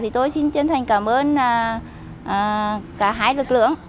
thì tôi xin chân thành cảm ơn cả hai lực lượng